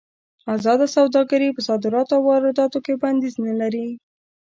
ازاده سوداګري په صادراتو او وارداتو کې بندیز نه لري.